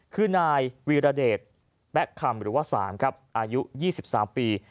คือนายวีรเดชแปะคำหรือว่า๓ครับอายุ๒๓ปี